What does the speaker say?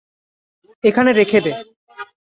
এখানে রেখে দে।